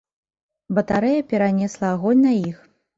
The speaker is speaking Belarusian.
Батарэя перанесла агонь на іх.